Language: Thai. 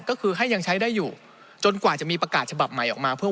ก็คือให้ยังใช้ได้อยู่จนกว่าจะมีประกาศฉบับใหม่ออกมาเพื่อ